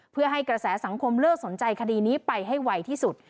เพื่อให้กระแสสังคมเลิกสนใจคดีนี้ไปให้ไวที่สุด